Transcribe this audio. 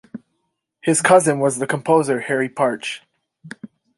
His cousin was the composer Harry Partch.